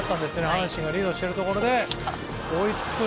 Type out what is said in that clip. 阪神がリードしているところで追いつく。